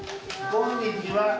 こんにちは。